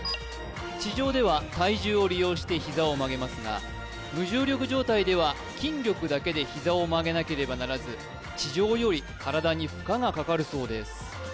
地上では体重を利用してヒザを曲げますが無重力状態では筋力だけでヒザを曲げなければならず地上より体に負荷がかかるそうです